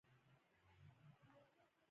د ملګري وژل کېدو مې پر زړه اور رابل کړ.